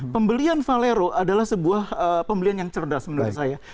pembelian valero adalah sebuah pembelian yang cerdas menurut saya